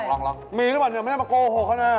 ลองมีหรือเปล่าเนี่ยไม่ได้มาโกหกเขานะ